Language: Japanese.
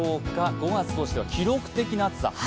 ５月としては記録的な暑さ。